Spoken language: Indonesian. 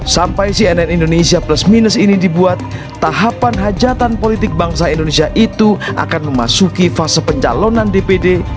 sampai cnn indonesia plus minus ini dibuat tahapan hajatan politik bangsa indonesia itu akan memasuki fase pencalonan dpd